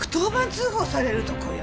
通報されるとこよ。